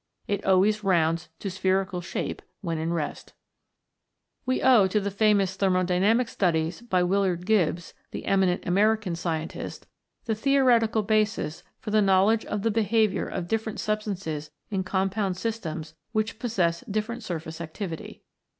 It always rounds to spherical shape when in rest. 40 THE PROTOPLASMATIC MEMBRANE We owe to the famous thermodynamic studies by Willard Gibbs, the eminent American scientist, the theoretical basis for the knowledge of the behaviour of different substances in compound systems which possess different surface activity.